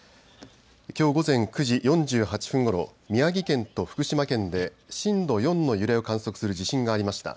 きょう午前９時４８分ごろ、宮城県と福島県で震度４の揺れを観測する地震がありました。